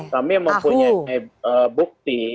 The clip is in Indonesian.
kami mempunyai bukti